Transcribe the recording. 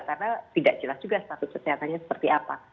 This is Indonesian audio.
karena tidak jelas juga status kesehatannya seperti apa